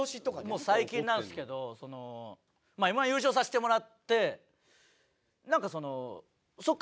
もう最近なんですけどＭ−１優勝させてもらってなんかそのそこから。